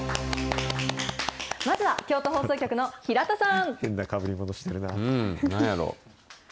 まずは京都放送局の平田さん。